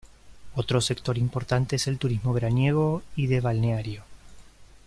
Otro sector importante es el turismo veraniego y de balneario.